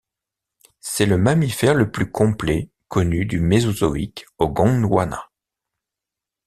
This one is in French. C'est le mammifère le plus complet connu du Mésozoïque au Gondwana.